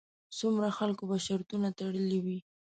څومره خلکو به شرطونه تړلې وي.